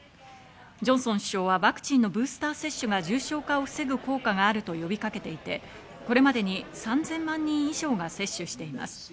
ジョンソン首相はワクチンのブースター接種が重症化を防ぐ効果があると呼びかけていて、これまでに３０００万人以上が接種しています。